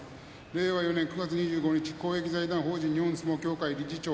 令和４年９月２５日公益財団法人日本相撲協会理事長